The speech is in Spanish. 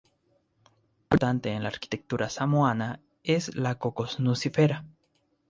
Un árbol importante en la Arquitectura Samoana es la Cocos nucifera.